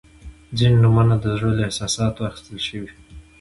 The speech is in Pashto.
• ځینې نومونه د زړه له احساساتو اخیستل شوي دي.